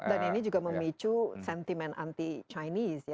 dan ini juga memicu sentimen anti chinese